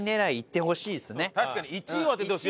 確かに１位を当ててほしいよね。